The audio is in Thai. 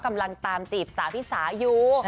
กำลังตามจีบสาวพี่สาอยู่